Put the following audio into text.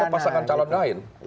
kan ada pasangan calon lain